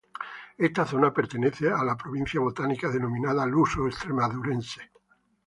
Esta zona pertenece a la provincia botánica denominada luso-extremadurense.